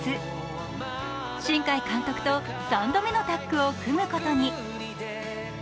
新海監督と３度目のタッグを組むことに。